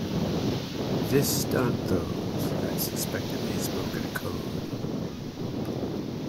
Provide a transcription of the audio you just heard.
This stunned those that suspected a spoken code.